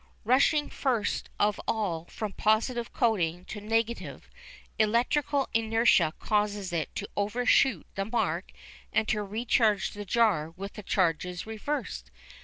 Rushing first of all from positive coating to negative, electrical inertia causes it to overshoot the mark and to recharge the jar with the charges reversed.